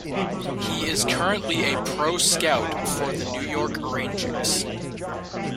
He is currently a pro scout for the New York Rangers.